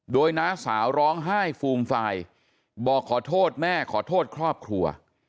โดยน้าสาวร้องไห้ฟูมฟายบอกขอโทษแม่ขอโทษครอบครัว